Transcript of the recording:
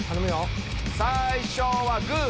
最初はグ！